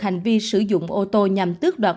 hành vi sử dụng ô tô nhằm tước đoạt